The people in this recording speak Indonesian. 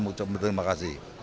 mengucapkan terima kasih